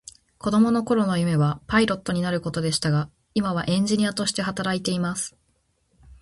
子供の頃の夢はパイロットになることでしたが、今はエンジニアとして働いています。